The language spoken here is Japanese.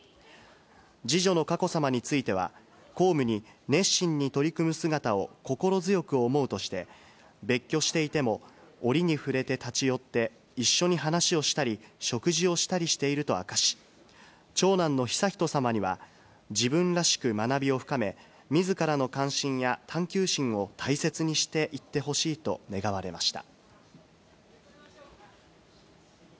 次女の佳子さまについては、公務に熱心に取り組む姿を心強く思うとして、別居していても、折に触れて立ち寄って、一緒に話をしたり、食事をしたりしていると明かし、長男の悠仁さまには、自分らしく学びを深め、みずからの関心や探究心を大切にしていってほしいと願われました。